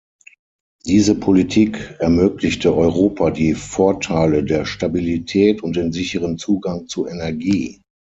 Diese Politik ermöglichte Europa die Vorteile der Stabilität und den sicheren Zugang zu Energie.